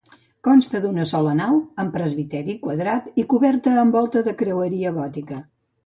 Consta d'una sola nau amb presbiteri quadrat i coberta amb volta de creueria gòtica.